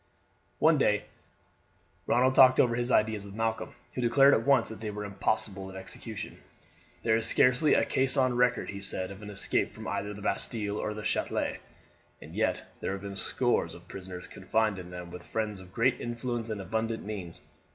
One day Ronald talked over his ideas with Malcolm, who declared at once that they were impossible of execution. "There is scarcely a case on record," he said, "of an escape from either the Bastille or the Chatelet, and yet there have been scores of prisoners confined in them with friends of great influence and abundant means.